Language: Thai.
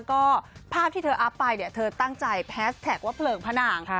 ก็ภาพที่เธออัพไปเธอตั้งใจแพสต์แท็กว่าเผลิงพนาง